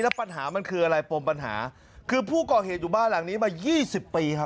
แล้วปัญหามันคืออะไรปมปัญหาคือผู้ก่อเหตุอยู่บ้านหลังนี้มายี่สิบปีครับ